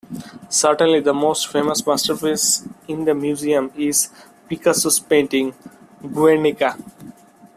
Certainly, the most famous masterpiece in the museum is Picasso's painting "Guernica".